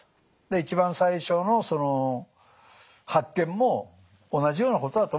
一番最初の発見も同じようなことだと思うんですよね。